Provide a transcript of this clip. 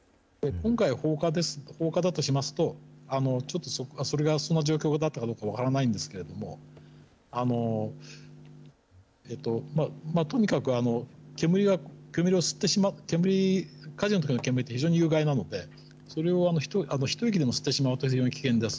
今回、放火だとしますと、ちょっとそれがその状況だったかどうか分からないんですけれども、とにかく煙、火事のときの煙って非常に有害なので、それを一息でも吸ってしまうと、非常に危険です。